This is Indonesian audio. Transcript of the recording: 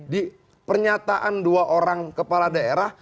di pernyataan dua orang kepala daerah